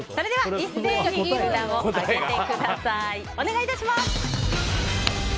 一斉に札を上げてください。